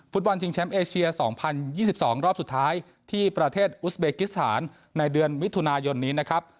ฟุตบอลชิงแชมป์เอเชีย๒๐๒๒รอบสุดท้ายที่ประเทศอุสเบกิสถานในเดือนมิถุนายนนี้นะครับ